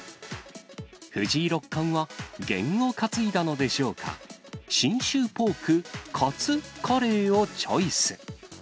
藤井六冠は、験を担いだのでしょうか、信州ポーク勝カレーをチョイス。